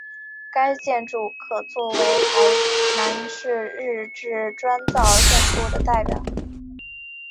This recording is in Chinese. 该建筑可做为台南市日治砖造建筑的代表。